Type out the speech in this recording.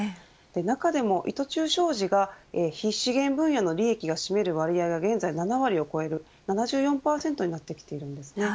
中でも、伊藤忠商事が非資源分野の利益が占める割合が現在７割を超えている７４％になってきています。